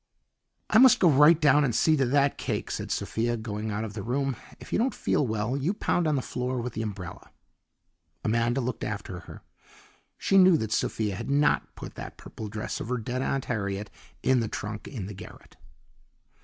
"I must go right down and see to that cake," said Sophia, going out of the room. "If you don't feel well, you pound on the floor with the umbrella." Amanda looked after her. She knew that Sophia had not put that purple dress of her dead Aunt Harriet in the trunk in the garret.